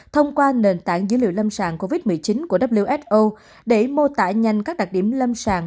thông qua nền tảng dữ liệu lâm sàng covid một mươi chín của who để mô tả nhanh các đặc điểm lâm sàng